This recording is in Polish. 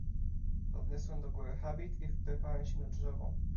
"Podniosłem do góry habit i wdrapałem się na drzewo."